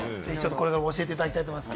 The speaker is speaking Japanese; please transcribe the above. これからも教えていただきたいと思います。